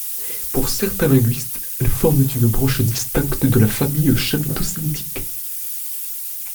Pour certains linguistes, elles forment une branche distincte de la famille chamito-sémitique.